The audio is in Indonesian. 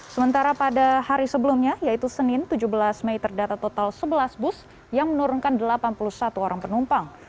sementara pada hari sebelumnya yaitu senin tujuh belas mei terdata total sebelas bus yang menurunkan delapan puluh satu orang penumpang